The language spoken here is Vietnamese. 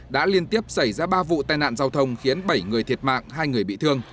đã liên tiếp xảy ra ba vụ tai nạn giao thông khiến bảy người thiệt mạng hai người bị thương